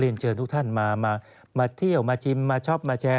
เชิญทุกท่านมามาเที่ยวมาชิมมาช็อปมาแชร์